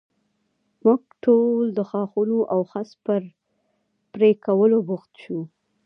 موږ ټول د ښاخونو او خس پر پرې کولو بوخت شو.